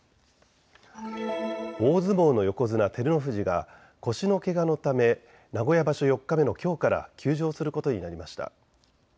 大相撲の横綱・照ノ富士が腰のけがのため名古屋場所４日目のきょうから休場することになりました。